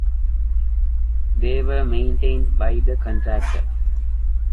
They were maintained by the contractor.